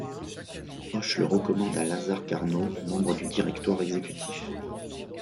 Hoche le recommande à Lazare Carnot, membre du Directoire exécutif.